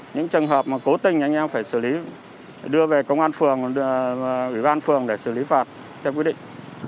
những trường hợp mà cố tình anh em phải xử lý đưa về công an phường ủy ban phường để xử lý phạt theo quy định